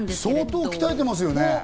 相当鍛えてますよね。